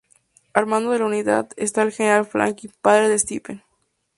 Al mando de la unidad está el General Franklin, padre de Stephen.